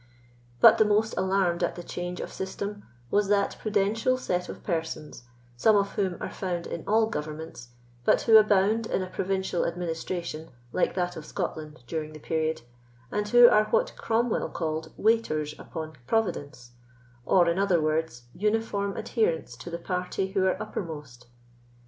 But the most alarmed at the change of system was that prudential set of persons, some of whom are found in all governments, but who abound in a provincial administration like that of Scotland during the period, and who are what Cromwell called waiters upon Providence, or, in other words, uniform adherents to the party who are uppermost.